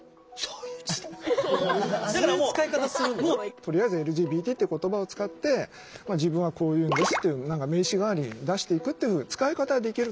とりあえずＬＧＢＴって言葉を使って自分はこういうのですっていう名刺代わりに出していくっていう使い方はできると思うんですよ。